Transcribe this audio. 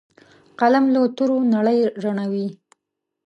قلم له تورو نړۍ رڼوي